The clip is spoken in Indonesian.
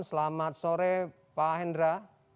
selamat sore pak hendra